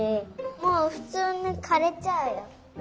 もうふつうにかれちゃうよ。